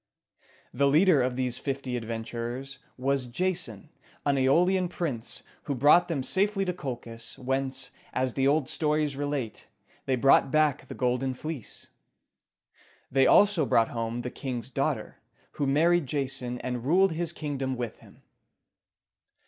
The leader of these fifty adventurers was Ja´son, an Æolian prince, who brought them safely to Colchis, whence, as the old stories relate, they brought back the Golden Fleece. They also brought home the king's daughter, who married Jason, and ruled his kingdom with him.